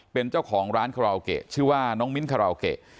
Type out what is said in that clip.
เป็นเจ้าของร้านคาราโอเกะชื่อว่าน้องมิ้นคาราโอเกะ